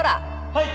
はい。